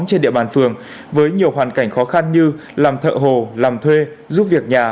trên địa bàn phường với nhiều hoàn cảnh khó khăn như làm thợ hồ làm thuê giúp việc nhà